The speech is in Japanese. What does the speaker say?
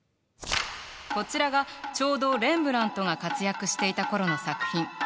こちらがちょうどレンブラントが活躍していた頃の作品。